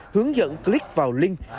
hướng dẫn click vào link